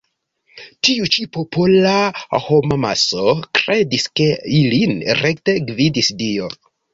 Tiu ĉi popola homamaso kredis ke ilin rekte gvidis Dio.